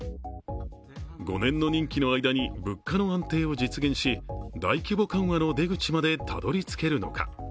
５年の任期の間に物価の安定を実現し大規模緩和の出口までたどり着けるのか。